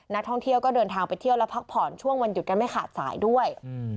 นักท่องเที่ยวก็เดินทางไปเที่ยวและพักผ่อนช่วงวันหยุดกันไม่ขาดสายด้วย